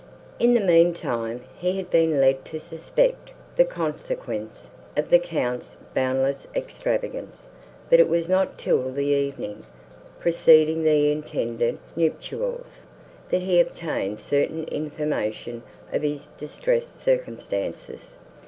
In the meantime, he had been led to suspect the consequence of the Count's boundless extravagance; but it was not till the evening, preceding the intended nuptials, that he obtained certain information of his distressed circumstances.